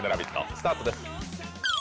スタートです。